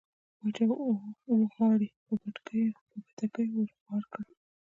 باچا اوه غاړۍ په بتکيو ور بار کړې.